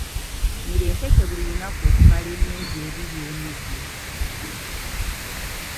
Mira empeke buli lunaku okumala emyezi ebiri emijjuvu.